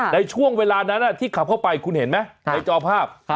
ในช่วงเวลานั้นที่ขับเข้าไปคุณเห็นไหมในจอภาพ